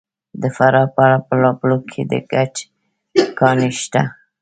د فراه په بالابلوک کې د ګچ کان شته.